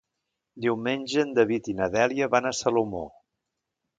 Diumenge en David i na Dèlia van a Salomó.